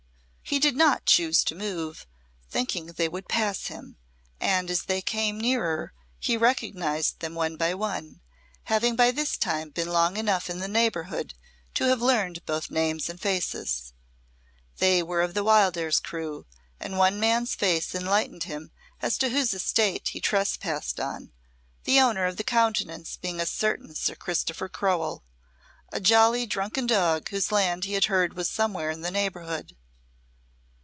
He did not choose to move, thinking they would pass him, and as they came nearer he recognised them one by one, having by this time been long enough in the neighbourhood to have learned both names and faces. They were of the Wildairs crew, and one man's face enlightened him as to whose estate he trespassed upon, the owner of the countenance being a certain Sir Christopher Crowell, a jolly drunken dog whose land he had heard was somewhere in the neighbourhood.